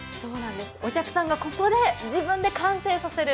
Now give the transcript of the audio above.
お客さんがここで完成させる